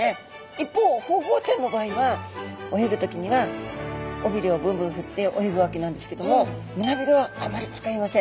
一方ホウボウちゃんの場合は泳ぐ時には尾びれをブンブン振って泳ぐわけなんですけども胸びれはあまり使いません。